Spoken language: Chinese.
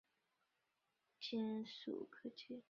这种四座单翼飞机是世界上第一架全金属客机。